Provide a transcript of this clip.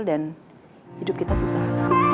dan hidup kita susah